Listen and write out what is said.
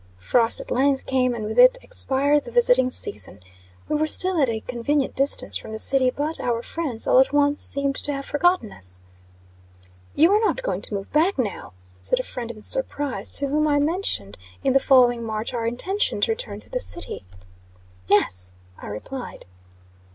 Frost at length came, and with it expired the visiting season. We were still at a convenient distance from the city; but, our friends, all at once, seemed to have forgotten us. "You are not going to move back, now," said a friend in surprise, to whom I mentioned in the following March our intention to return to the city. "Yes," I replied.